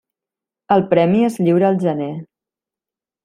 El premi es lliura al gener.